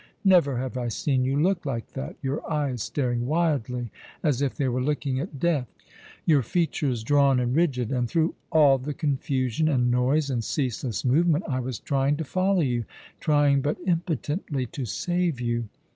Never have I seen you look like that — your eyes staring wildly as if they were looking at death ; your features drawn and rigid, and through all the confusion, and noise, and ceaseless movement, I was trying to follow you — trying, but impotently — to save you.